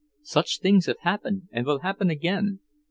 Such things have happened, and will happen again.